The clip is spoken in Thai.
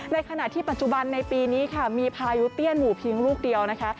ในขณะที่ปัจจุบันในปีนี้ค่ะมีพายุเตี้ยนหมู่เพียงลูกเดียวนะคะ